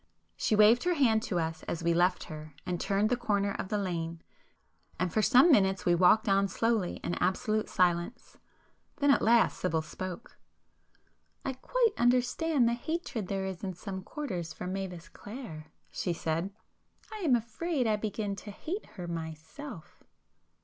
She waved her hand to us as we left her and turned the corner of the lane,—and for some minutes we walked on slowly in absolute silence. Then at last Sibyl spoke— "I quite understand the hatred there is in some quarters for Mavis Clare,"—she said—"I am afraid I begin to hate her myself!"